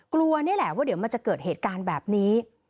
กลัวนี่แหละว่าเดี๋ยวมันจะเกิดเหตุการณ์แบบนี้